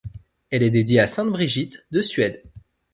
Elle est dédiée à sainte Brigitte de Suède.